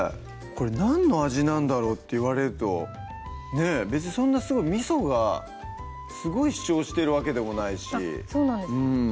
これ何の味なんだろうって言われるとねっ別にそんなすごいみそがすごい主張してるわけでもないしそうなんです